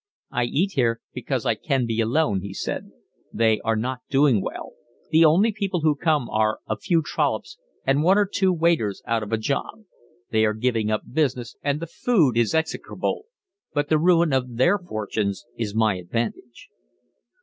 "I eat here because I can be alone," he said. "They are not doing well; the only people who come are a few trollops and one or two waiters out of a job; they are giving up business, and the food is execrable. But the ruin of their fortunes is my advantage."